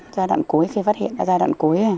giai đoạn cuối khi phát hiện ra giai đoạn cuối